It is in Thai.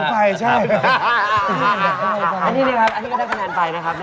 มาเฉลยกัน